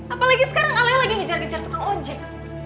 apalagi sekarang alia lagi ngejar ngejar tukang ojek